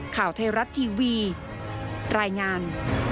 ข่าวไทยรัฐทีวีรายงาน